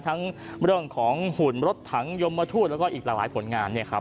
ทั้งเรื่องของหุ่นรถถังยมทูตแล้วก็อีกหลากหลายผลงานเนี่ยครับ